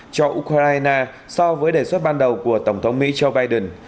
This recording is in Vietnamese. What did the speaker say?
cho ukraine so với đề xuất ban đầu của tổng thống mỹ joe biden